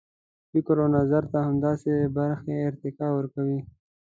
فکر و نظر ته همدا برخې ارتقا ورکوي.